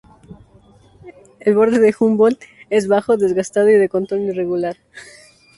El borde de Humboldt es bajo, desgastado, y de contorno irregular.